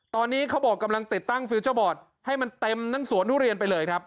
ตอนนี้เขาบอกกำลังติดตั้งให้มันเต็มนั่งสวนธุเรียนไปเลยครับ